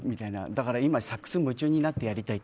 だから今、サックスに夢中になってやりたい。